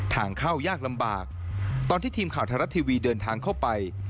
ทางเข้ายากลำบากตอนที่ทีมข่าวไทยรัฐทีวีเดินทางเข้าไป